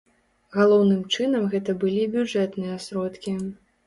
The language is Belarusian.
Галоўным чынам гэта былі бюджэтныя сродкі.